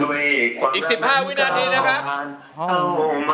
ด้วยความรักนั้นเก่าขาม